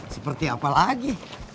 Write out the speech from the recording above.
seperti apa lagi